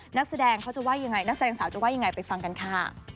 หน้าแสดงนักแสดงสาวจะว่ายังไงไปฟังกันค่ะ